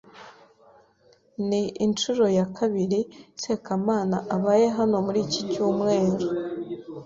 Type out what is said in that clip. Ni inshuro ya kabiri Sekamana abaye hano muri iki cyumweru